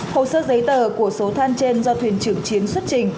hồ sơ giấy tờ của số than trên do thuyền trưởng chiến xuất trình